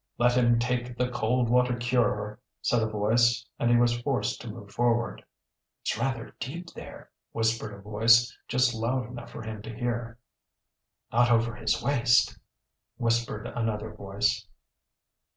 "Let him take the cold water cure," said a voice, and he was forced to move forward. "It's rather deep there," whispered a voice, just loud enough for him to hear. "Not over his waist," whispered another voice.